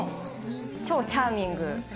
チャーミング。